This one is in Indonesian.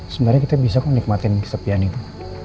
sebenarnya kita bisa kok nikmatin sepian itu